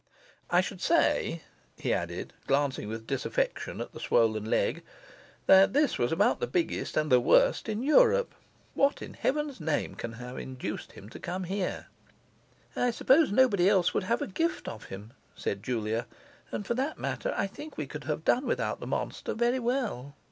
I should say,' he added, glancing with disaffection at the swollen leg, 'that this was about the biggest and the worst in Europe. What in heaven's name can have induced him to come here?' 'I suppose nobody else would have a gift of him,' said Julia. 'And for that matter, I think we could have done without the monster very well.